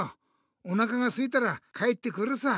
おなかがすいたら帰ってくるさ。